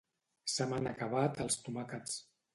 Se m'han acabat els tomàquets